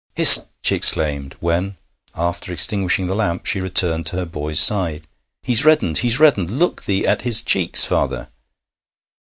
'Hist!' she exclaimed, when, after extinguishing the lamp, she returned to her boy's side. 'He's reddened he's reddened! Look thee at his cheeks, father!'